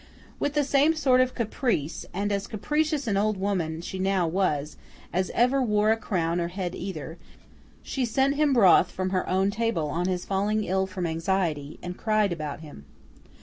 With the same sort of caprice—and as capricious an old woman she now was, as ever wore a crown or a head either—she sent him broth from her own table on his falling ill from anxiety, and cried about him.